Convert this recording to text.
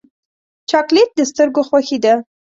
چاکلېټ د سترګو خوښي ده.